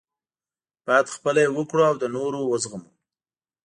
باید خپله یې وکړو او د نورو وزغمو.